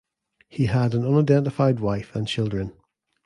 He had an unidentified wife and children.